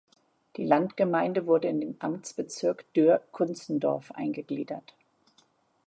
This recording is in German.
Die Landgemeinde wurde in den Amtsbezirk "Dürr Kunzendorf" eingegliedert.